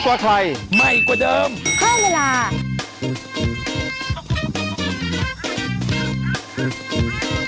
โปรดติดตามตอนต่อไป